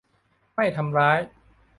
ไม่ทำร้าย